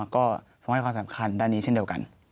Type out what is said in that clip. ก็ต้องให้ความสำคัญด้านนี้เช่นเดียวกัน